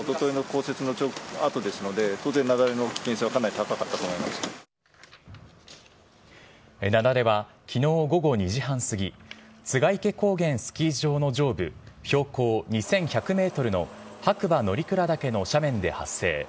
雪崩はきのう午後２時半過ぎ、栂池高原スキー場の上部標高２１００メートルの白馬乗鞍岳の斜面で発生。